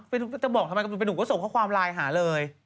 จะบอกทำไมเป็นหนุ่มก็ส่งข้อความไลน์หาเลย